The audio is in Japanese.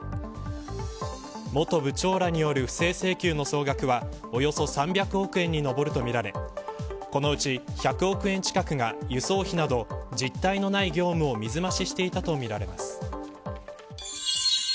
元部長らによる不正請求の総額はおよそ３００億円に上るとみられこのうち１００億円近くが輸送費など、実体のない業務を水増ししていたとみられます。